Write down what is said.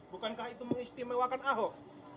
bukankah itu mengistimewakan ahok